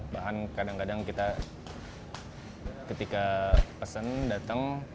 bahan kadang kadang kita ketika pesen datang